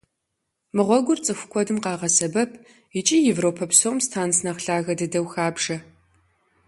Мы гъуэгур цӀыху куэдым къагъэсэбэп икӀи Европэ псом и станц нэхъ лъагэ дыдэхэм хабжэ.